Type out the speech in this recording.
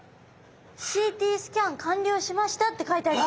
「ＣＴスキャン完了しました」って書いてありますよ。